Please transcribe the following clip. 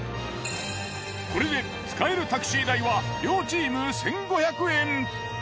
これで使えるタクシー代は両チーム１，５００円。